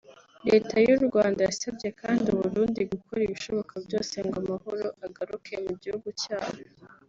Leta y’u Rwanda yasabye kandi u Burundi gukora ibishoboka byose ngo amahoro agaruke mu gihugu cyabo